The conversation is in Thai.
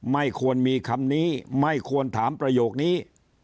ไม่ควรมีคำนี้ไม่ควรถามประโยคนี้